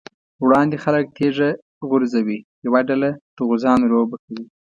وړاندې خلک تيږه غورځوي، یوه ډله د غوزانو لوبه کوي.